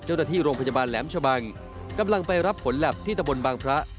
เจ้าหน้าที่โรงพยาบาลแหลมชะบังกำลังไปรับผลแล็บที่ตะบนบางพระ